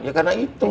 ya karena itu